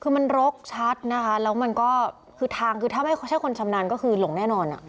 คือมันรกชัดนะคะแล้วมันก็คือทางคือถ้าไม่ใช่คนชำนาญก็คือหลงแน่นอน